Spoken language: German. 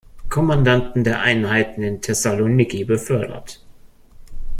Kommandanten der Einheiten in Thessaloniki befördert.